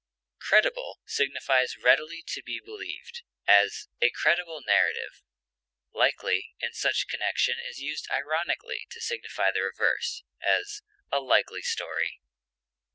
Credible signifies readily to be believed; as, a credible narrative; likely in such connection is used ironically to signify the reverse; as, a likely story!